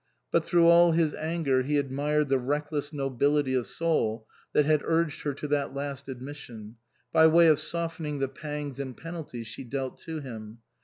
But through all his anger he admired the reckless nobility of soul that had urged her to that last admission, by way of softening the pangs and penalties she dealt to him.